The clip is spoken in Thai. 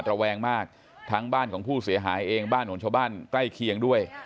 ระแวงมากทั้งบ้านของผู้เสียหายเองบ้านของชาวบ้านใกล้เคียงด้วย